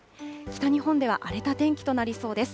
北日本では荒れた天気となりそうです。